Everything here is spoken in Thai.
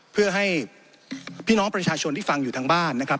เพื่อให้พี่น้องประชาชนที่ฟังอยู่ทางบ้านนะครับ